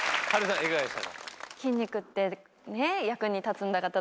いかがでした？